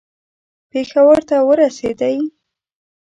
پېښور ته ورسېدی.